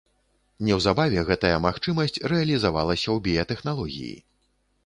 Неўзабаве гэтая магчымасць рэалізавалася ў біятэхналогіі.